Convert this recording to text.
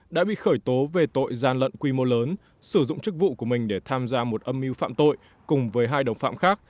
đã bị khởi tố về tội gian lận quy mô lớn sử dụng chức vụ của mình để tham gia một âm mưu phạm tội cùng với hai đồng phạm khác